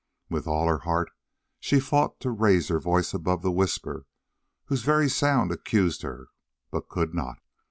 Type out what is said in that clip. With all her heart she fought to raise her voice above the whisper whose very sound accused her, but could not.